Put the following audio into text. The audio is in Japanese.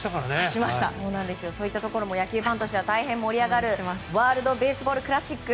そういったところも野球ファンとしては大変盛り上がるワールド・ベースボール・クラシック。